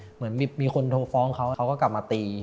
เหมือนมีคนโทรฟ้องเขาเขาก็กลับมาตี